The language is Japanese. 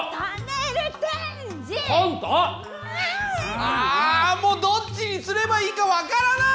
あもうどっちにすればいいかわからない！